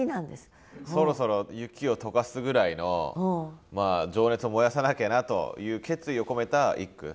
そろそろ雪を解かすぐらいの情熱を燃やさなきゃなという決意を込めた一句。